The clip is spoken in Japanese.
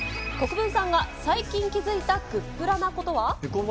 国分さんが最近気付いたグップラなことは。